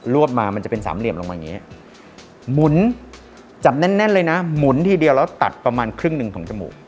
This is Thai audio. วบมามันจะเป็นสามเหลี่ยมลงมาอย่างนี้หมุนจับแน่นเลยนะหมุนทีเดียวแล้วตัดประมาณครึ่งหนึ่งของจมูก